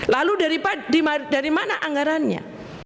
lalu dari mana anggarannya